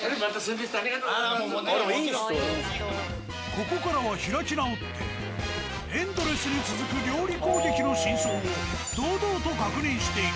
ここからはエンドレスに続く料理攻撃の真相を堂々と確認していく。